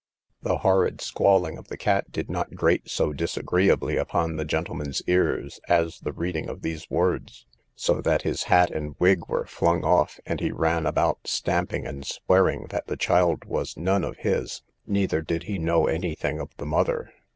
The horrid squalling of the cat did not grate so disagreeably upon the gentleman's ears, as the reading of these words; so that his hat and wig were flung off, and he ran about stamping and swearing that the child was none of his, neither did he know any thing of the mother.